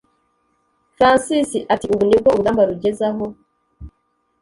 Francis atiubu nibwo urugamba rugeze aho